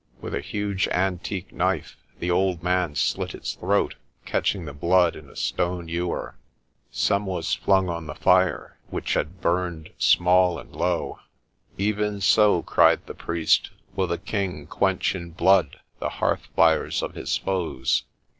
With a huge antique knife, the old man slit its throat, catching the blood in a stone ewer. Some was flung on the fire, which had burned small and low. "Even so," cried the priest, "will the king quench in blood the hearth fires of his foes."